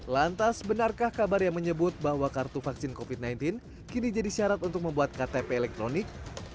lantas benarkah kabar yang menyebut bahwa kartu vaksin covid sembilan belas kini jadi syarat untuk membuat ktp elektronik